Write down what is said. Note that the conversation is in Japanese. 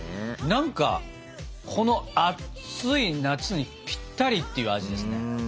何かこの暑い夏にぴったりっていう味ですね。